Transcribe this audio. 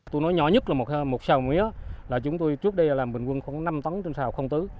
tôi nói nhỏ nhất là một sào mía chúng tôi trước đây làm bình quân khoảng năm tấn trên sào không tứ